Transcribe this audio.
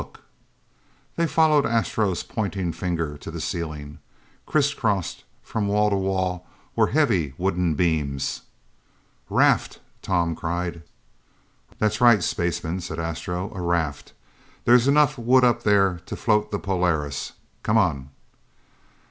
"Look!" They followed Astro's pointing finger to the ceiling. Crisscrossed, from wall to wall, were heavy wooden beams. "Raft!" Tom cried. "That's right, spaceman," said Astro, "a raft. There's enough wood up there to float the Polaris. Come on!"